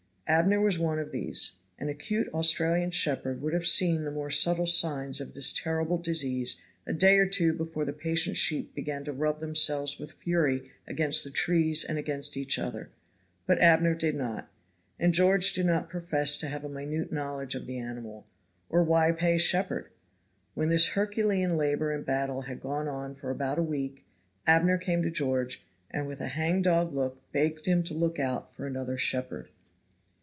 Abner was one of these. An acute Australian shepherd would have seen the more subtle signs of this terrible disease a day or two before the patient sheep began to rub themselves with fury against the trees and against each other; but Abner did not; and George did not profess to have a minute knowledge of the animal, or why pay a shepherd? When this Herculean labor and battle had gone on for about a week, Abner came to George, and with a hang dog look begged him to look out for another shepherd.